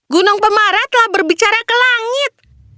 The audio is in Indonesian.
gunung pemarah telah berbicara ke langit